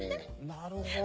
なるほどね。